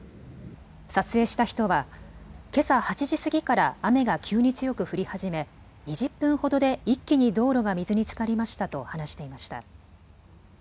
撮影した人は、けさ８時過ぎから雨が急に強く降り始め２０分ほどで一気に道路が水につかりましたと話していました。